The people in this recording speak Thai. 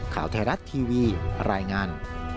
ข่าวแทรศทีวีรายงาน